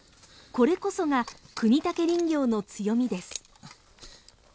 これこそが國武林業の強みです。